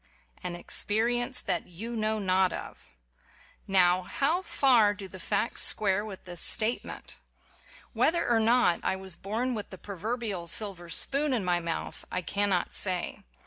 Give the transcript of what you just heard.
"An experience that you know not of"! Now, how far do the facts square with this statement? Whether or not I was born with the 4 WHY I BELIEVE IN POVERTY proverbial silver spoon in my mouth I cannot say.